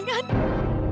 ya kan mak